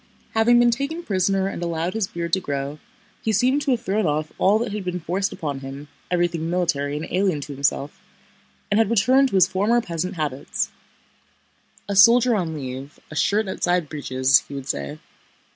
Having been taken prisoner and allowed his beard to grow, he seemed to have thrown off all that had been forced upon him—everything military and alien to himself—and had returned to his former peasant habits. "A soldier on leave—a shirt outside breeches," he would say.